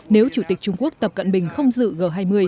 nếu chủ tịch trung quốc tập cận bình không dự g hai mươi